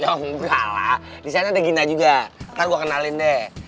ya engga lah disana ada ginda juga nanti gue kenalin deh